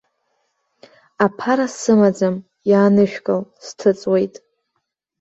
Аԥара сымаӡам, иаанышәкыл, сҭыҵуеит!